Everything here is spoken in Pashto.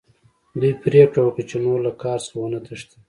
دوی پریکړه وکړه چې نور له کار څخه ونه تښتي